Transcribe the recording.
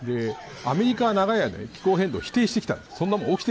アメリカは、長い間気候変動を否定していました。